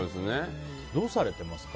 どうされてますか？